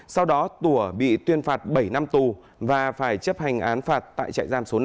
sau đó tủa bị tuyên phạt bảy năm tù và phải chấp hành án phạt tại trại giam số năm